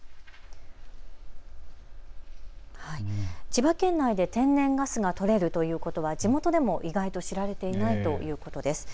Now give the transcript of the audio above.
千葉県内で天然ガスがとれるということは地元でも意外と知られていないということです。